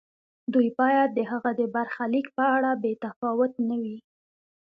دوی باید د هغه د برخلیک په اړه بې تفاوت نه وي.